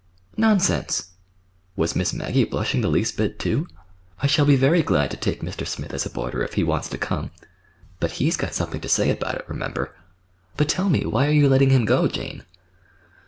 "Nonsense!" (Was Miss Maggie blushing the least bit, too?) "I shall be very glad to take Mr. Smith as a boarder if he wants to come—but he's got something to say about it, remember. But tell me, why are you letting him go, Jane?"